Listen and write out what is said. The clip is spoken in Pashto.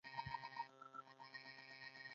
بې مسولیته مرستې ګټه نه لري.